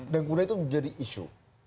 dan udah itu menjadi isu